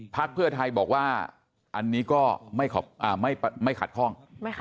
ภักดิ์เพื่อไทยบอกว่าอันนี้ก็ไม่ขัดคล่อง